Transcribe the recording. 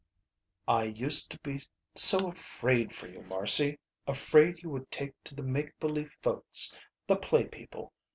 "I used to be so afraid for you, Marcy. Afraid you would take to the make believe folks. The play people.